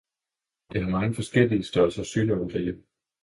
Jeg har mange forskellige størrelser synåle derhjemme.